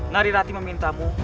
nari ratih memintamu